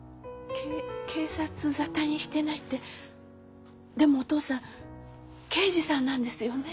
け警察沙汰にしてないってでもお父さん刑事さんなんですよね？